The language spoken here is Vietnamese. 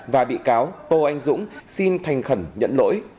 và bị cáo tô anh dũng xin thành khẩn nhận lỗi